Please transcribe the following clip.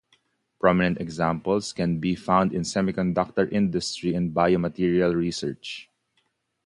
Prominent examples can be found in semiconductor industry and biomaterial research.